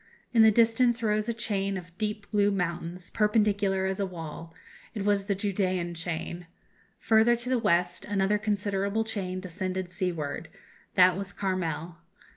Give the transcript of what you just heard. In the distance rose a chain of deep blue mountains, perpendicular as a wall; it was the Judæan chain. Further to the west, another considerable chain descended seaward; that was Carmel.